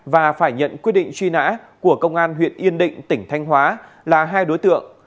và phải nhận quyết định truy nã của công an huyện yên định tỉnh thanh hóa là hai đối tượng